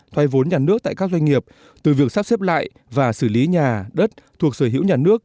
thoái vốn nhà nước tại các doanh nghiệp từ việc sắp xếp lại và xử lý nhà đất thuộc sở hữu nhà nước